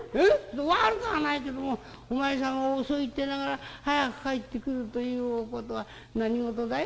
『悪くはないけどもお前さんは遅いって言いながら早く帰ってくるということは何事だい？